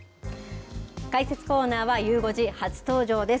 解説コーナーはゆう５時、初登場です。